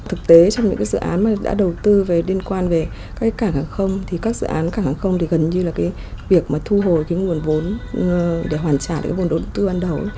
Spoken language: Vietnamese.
thực tế trong những dự án mà đã đầu tư liên quan về các cảng hàng không thì các dự án cảng hàng không thì gần như là việc thu hồi nguồn vốn để hoàn trả nguồn đầu tư ban đầu